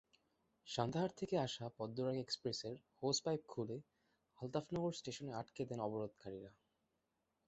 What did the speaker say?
সান্তাহার থেকে আসা পদ্মরাগ এক্সপ্রেসের হোস পাইপ খুলে আলতাফনগর স্টেশনে আটকে দেন অবরোধকারীরা।